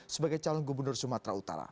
sebagai calon gubernur sumatera utara